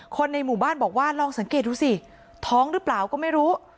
คนในหมู่บ้านบอกว่าลองสังเกตดูสิท้องหรือเปล่าก็ไม่รู้